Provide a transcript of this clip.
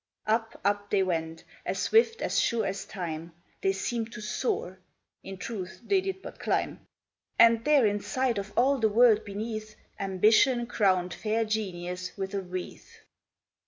Up, up they went as swift, as sure as Time, They seemed to soar: (in truth they did but climb), And there in sight of all the world beneath Ambition crowned fair Genius with a wreath.